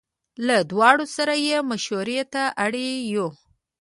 له دواړو سره یې مشوړې ته اړ یو.